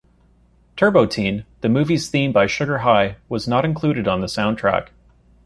"Turbo-Teen", the movie's theme by Sugar High, was not included on the soundtrack.